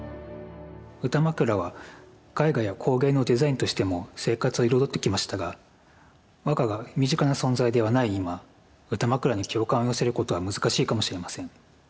歌枕は絵画や工芸のデザインとしても生活を彩ってきましたが和歌が身近な存在ではない今歌枕に共感を寄せることは難しいかもしれません。